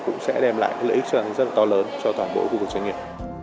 cũng sẽ đem lại lợi ích rất là to lớn cho toàn bộ của doanh nghiệp